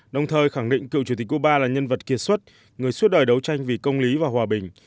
đồng thời khẳng định cựu chủ tịch cuba là nhân vật kiệt xuất người suốt đời đấu tranh vì công lý và hòa bình